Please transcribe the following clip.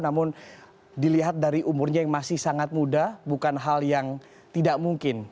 namun dilihat dari umurnya yang masih sangat muda bukan hal yang tidak mungkin